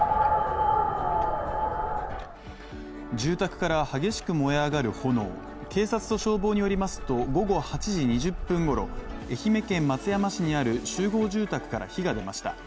住宅から激しく燃え上がる炎、警察と消防によりますと、午後８時２０分ごろ、愛媛県松山市にある集合住宅から火が出ました。